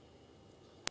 dan kita adakan perangai